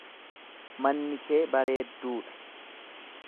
Manni kee bareedduu dha.